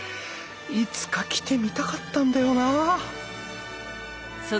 いつか来てみたかったんだよなあ